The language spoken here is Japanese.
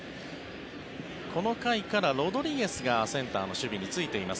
この回からロドリゲスがセンターの守備に就いています